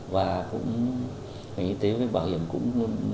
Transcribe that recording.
và cũng ngành y tế với bảo hiểm cũng